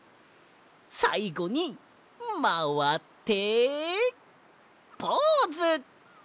さいごにまわってポーズ！